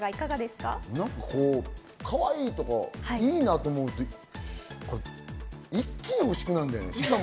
かわいいとか、いいなと思うけど、一気に欲しくなるよね。